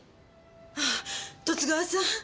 ああ十津川さん。